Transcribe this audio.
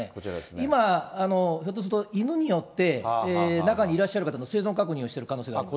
今、ひょっとすると、犬によって、中いらっしゃる方の生存確認をしている可能性があります。